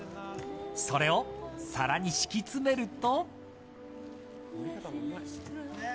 それを皿に敷き詰めると。